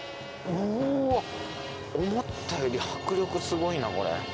思ったより迫力すごいなこれ。